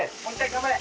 頑張れ！